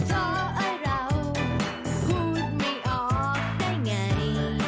เพราะอะไรเราพูดไม่ออกได้ไง